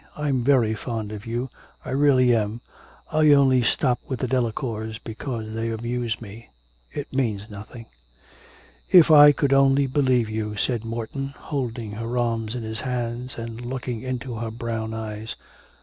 I'm very fond of you, I really am.... I only stop with the Delacours because they amuse me.... It means nothing.' 'If I could only believe you,' said Morton, holding her arms in his hands and looking into her brown eyes.